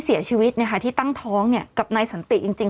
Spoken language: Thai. เสียชีวิตเนี้ยค่ะที่ตั้งท้องเนี้ยกับนายสันติจริงจริง